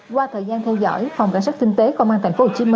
qua thời gian theo dõi phòng cảnh sát kinh tế công an tp hcm